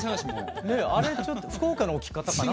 あれ福岡の置き方かな？